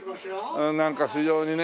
なんか非常にね